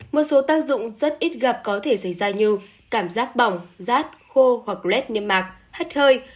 một số tác dụng rất ít gặp có thể xảy ra như cảm giác bỏng rát khô hoặc rết nhâm mạc hắt hơi